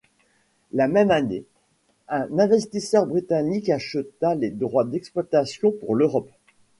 La même année, un investisseur britannique acheta les droits d’exploitation pour l'Europe.